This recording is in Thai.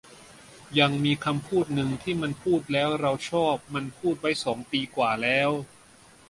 ยังมีคำพูดนึงที่มันพูดแล้วเราชอบ มันพูดไว้สองปีกว่าแล้ว